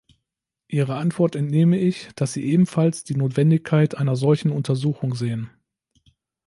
Ihrer Antwort entnehme ich, dass Sie ebenfalls die Notwendigkeit einer solchen Untersuchung sehen.